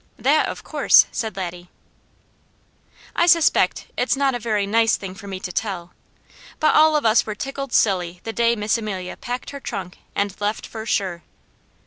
"That of course!" said Laddie. I suspect it's not a very nice thing for me to tell, but all of us were tickled silly the day Miss Amelia packed her trunk and left for sure.